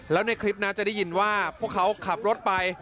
แล้วในคลิปนะจะได้ยินว่าพวกเขาขับรถไป